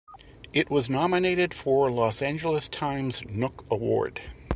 It was nominated for Los Angeles Times Nook Award.